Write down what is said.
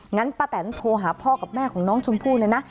งั้นป้าแตนโทรหาพ่อกับแม่ของน้องชมพู่เลยนะ